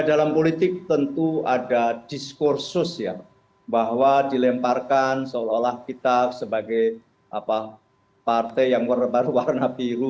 dalam politik tentu ada diskursus ya bahwa dilemparkan seolah olah kita sebagai partai yang berwarna biru